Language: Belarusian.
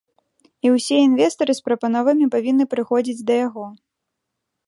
І ўсе інвестары з прапановамі павінны прыходзіць да яго.